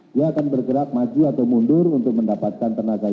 dia akan bergerak maju atau mundur untuk mendapatkan tenaga mesin